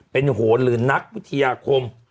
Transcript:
เป็นโหนหรือนักวิทยาคม